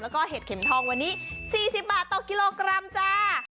แล้วก็เห็ดเข็มทองวันนี้๔๐บาทต่อกิโลกรัมจ้า